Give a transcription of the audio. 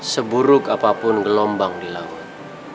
seburuk apapun gelombang di laut